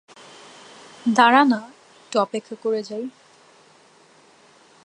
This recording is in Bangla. দাঁড়া না, আরেকটু অপেক্ষা করে যাই।